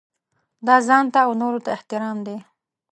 دا ځانته او نورو ته احترام دی.